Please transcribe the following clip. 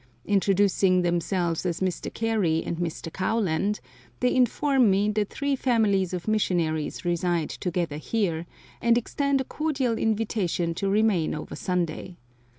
Introducing themselves as Mr. Carey and Mr. Kowland, they inform me that three families of missionaries reside together here, and extend a cordial invitation to remain over Sunday.